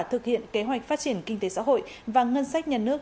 thực hiện kế hoạch phát triển kinh tế xã hội và ngân sách nhà nước